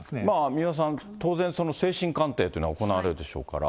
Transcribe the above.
三輪さん、当然、その精神鑑定っていうのは行われるでしょう